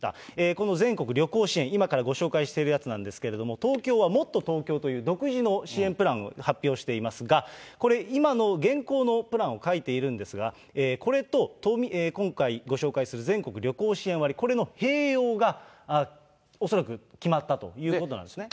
この全国旅行支援、今からご紹介しているやつなんですけれども、東京はもっとＴｏｋｙｏという独自の支援プランを発表していますが、これ、今の現行のプランを書いているんですが、これと今回ご紹介する全国旅行支援割、これの併用が恐らく決まったということなんですね。